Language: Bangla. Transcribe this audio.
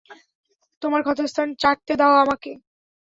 তোমার ক্ষতস্থান চাটতে দাও আমাকে।